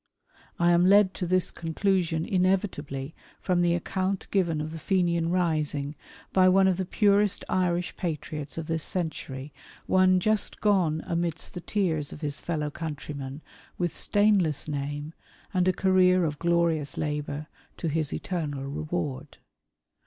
I am led to this conclusion inevitably from the account given of the Fenian rising, by one of the purest Irish patriots of this century, one just gone amidst the tears of his fellow countrymen, with stain less name, and a career of glorious labour, to his eternal reward.